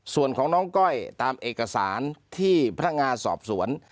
ส่วนของน้องก้อยตามเอกสารที่พนักงานสอบสวน